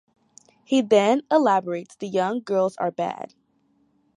He then elaborates, The young girls are bad.